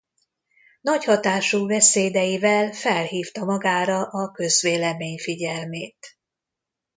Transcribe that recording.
Nagy hatású beszédeivel felhívta magára a közvélemény figyelmét.